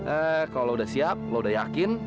eh kalau lu udah siap lu udah yakin